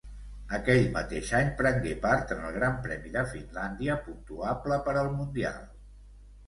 Aquell mateix any prengué part en el Gran Premi de Finlàndia puntuable per al Mundial.